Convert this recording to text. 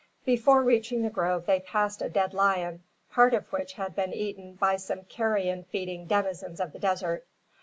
Before reaching the grove they passed a dead lion, part of which had been eaten by some carrion feeding denizens of the desert.